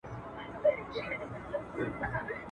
په کور کي نه کورت، نه پياز، ارږى د واز.